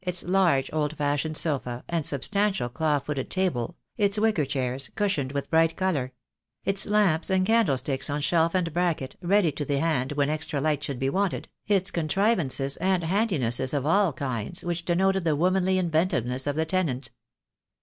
its large old fashioned sofa, and substantial claw footed table, its wicker chairs, cushioned with bright colour — its lamps and candle sticks on shelf and bracket, ready to the hand when extra light should be wanted, its contriv ances and handinesses of all kinds, which denoted the womanly inventiveness of the tenant.